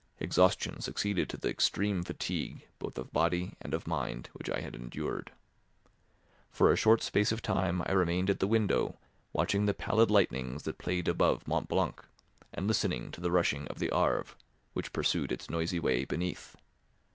Exhaustion succeeded to the extreme fatigue both of body and of mind which I had endured. For a short space of time I remained at the window watching the pallid lightnings that played above Mont Blanc and listening to the rushing of the Arve, which pursued its noisy way beneath.